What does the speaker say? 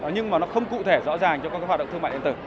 nhưng mà nó không cụ thể rõ ràng cho các hoạt động thương mại điện tử